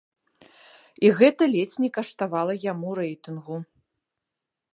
І гэта ледзь не каштавала яму рэйтынгу!